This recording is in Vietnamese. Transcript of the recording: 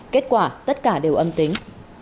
kết quả tất cả đều âm tính